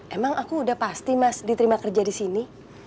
emang aku udah pasti mas diterima kerja di sini